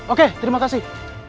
oke terima kasih